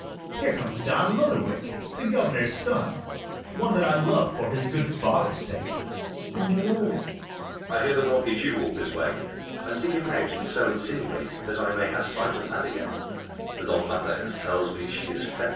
Here comes Don Lodowick, the governor's son, One that I love for his good father's sake. Enter LODOWICK. LODOWICK. I hear the wealthy Jew walked this way: I'll seek him out, and so insinuate, That I may have a sight of Abigail, For Don Mathias tells me she is fair.